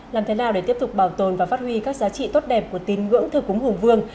làm thế nào để tiếp tục bảo tồn và phát huy các giá trị tốt đẹp của tín ngưỡng thờ cúng hùng vương